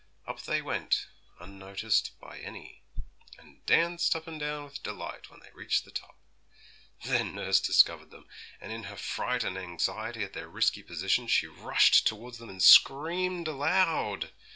Up they went, unnoticed by any, and danced up and down with delight when they reached the top. Then nurse discovered them, and in her fright and anxiety at their risky position she rushed towards them and screamed aloud.